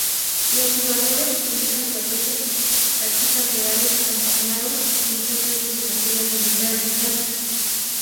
Los jugadores utilizan estrategias y tácticas reales, acompañados muchas veces de material militar original.